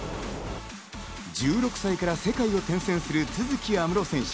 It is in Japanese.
１６歳から世界を転戦する都筑有夢路選手。